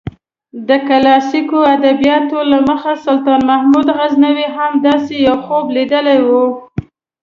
د کلاسیکو ادبیاتو له مخې سلطان محمود غزنوي هم داسې یو خوب لیدلی و.